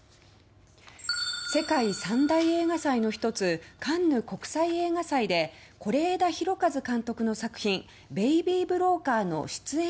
世界三大映画祭の１つカンヌ国際映画祭で是枝裕和監督の作品「ベイビー・ブローカー」の出演